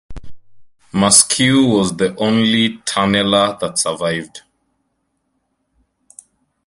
Masque was the only Tunneler that survived.